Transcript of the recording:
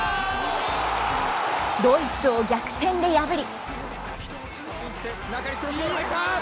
ドイツを逆転で破り。